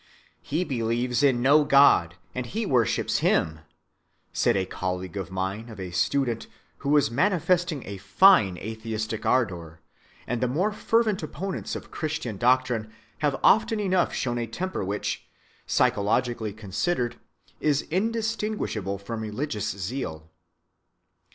"He believes in No‐God, and he worships him," said a colleague of mine of a student who was manifesting a fine atheistic ardor; and the more fervent opponents of Christian doctrine have often enough shown a temper which, psychologically considered, is indistinguishable from religious zeal.